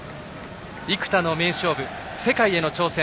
幾多の名勝負世界への挑戦。